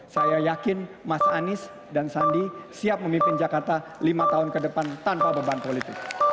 saya yakin mas anies dan sandi siap memimpin jakarta lima tahun ke depan tanpa beban politik